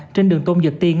trên đường tôn dược tiên